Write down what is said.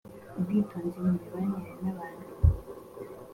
Ubwitonzi mu mibanire n’abantu